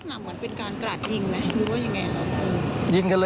ลักษณะเหมือนเป็นการกราดยิงไหมหรือว่ายังไงครับ